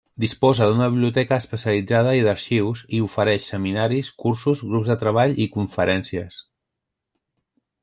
Disposa d'una biblioteca especialitzada i d'arxius, i ofereix seminaris, cursos, grups de treball i conferències.